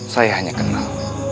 saya hanya kenal